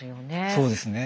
そうですね。